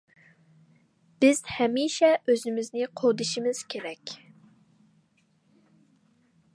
بىز ھەمىشە ئۆزىمىزنى قوغدىشىمىز كېرەك.